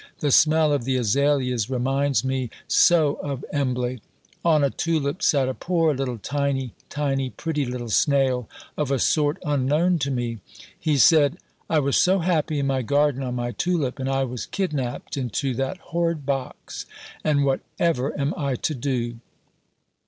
The smell of the Azaleas reminds me so of Embley. On a tulip sat a poor little tiny, tiny, pretty little snail of a sort unknown to me. He said: "I was so happy in my garden on my tulip, and I was kidnapped into that horrid box. And whatever am I to do?"